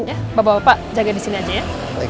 ya bapak bapak jaga disini aja ya